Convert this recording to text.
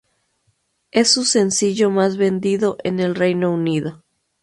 Es su sencillo más vendido en el Reino Unido.